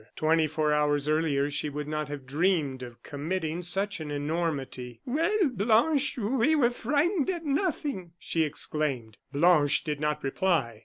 Twenty four hours earlier she would not have dreamed of committing such an enormity. "Well, Blanche, we were frightened at nothing," she exclaimed. Blanche did not reply.